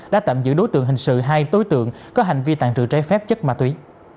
đã tạm giữ đối tượng hình sự hai đối tượng có hành vi tàn trự trái phép chất ma túy